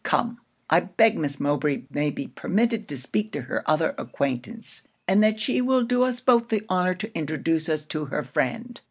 Come, I beg Miss Mowbray may be permitted to speak to her other acquaintance; and that she will do us both the honour to introduce us to her friend.'